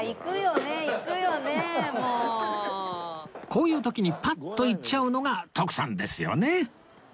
こういう時にパッと行っちゃうのが徳さんですよね